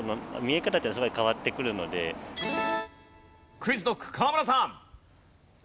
ＱｕｉｚＫｎｏｃｋ河村さん。